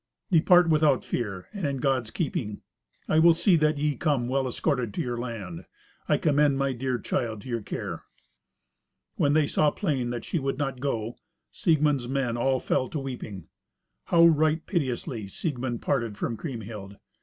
"Depart without fear, and in God's keeping. I will see that ye come well escorted to your land. I commend my dear child to your care." When they saw plain that she would not go, Siegmund's men all fell to weeping. How right piteously Siegmund parted from Kriemhild!